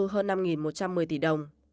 hơn năm một trăm một mươi tỷ đồng